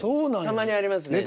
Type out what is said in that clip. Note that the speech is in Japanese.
たまにありますね。